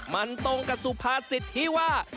มันตรงกับสุภาษิตที่ว่า